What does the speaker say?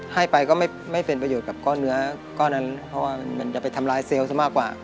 ให้ไปก็ไม่เป็นประโยชน์กับก้อนเนื้อก้อนนั้นเพราะว่ามันจะไปทำร้ายเซลล์ซะมากกว่า